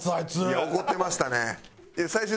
いや怒ってましたね。